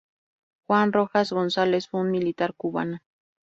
Juan Rojas González fue un militar cubano.